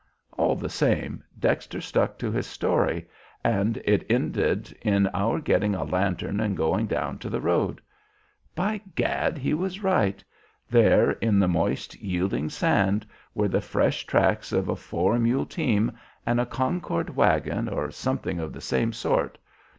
All the same, Dexter stuck to his story, and it ended in our getting a lantern and going down to the road. By Gad! he was right. There, in the moist, yielding sand, were the fresh tracks of a four mule team and a Concord wagon or something of the same sort.